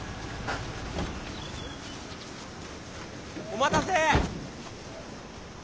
お待たせ。